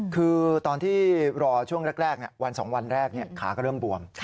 คือตอนที่รอช่วงแรกวัน๒วันแรกขาก็เริ่มบวม